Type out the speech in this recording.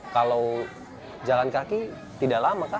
kalau jalan kaki tidak lama kan